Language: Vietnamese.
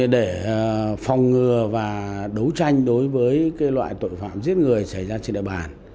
để phòng ngừa và đấu tranh đối với loại tội phạm giết người xảy ra trên địa bàn